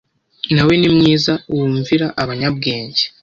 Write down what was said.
Nawe ni mwiza wumvira abanyabwenge;